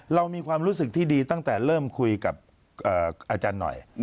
เรามีความรู้สึกที่ดีตั้งแต่เริ่มคุยกับอาจารย์หน่อย